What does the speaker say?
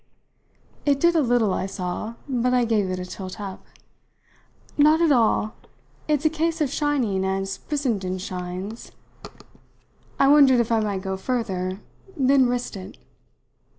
It did a little, I saw, but I gave it a tilt up. "Not at all. It's a case of shining as Brissenden shines." I wondered if I might go further then risked it.